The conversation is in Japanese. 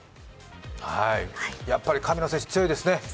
やっぱり神野選手、強いですね。